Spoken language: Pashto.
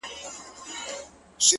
صدقه دي تر تقوا او تر سخا سم ـ